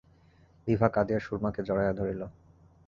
বিভা কাঁদিয়া সুরমাকে জড়াইয়া ধরিল।